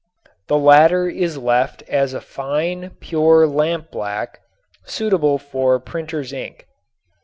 The latter is left as a fine, pure lampblack, suitable for printer's ink.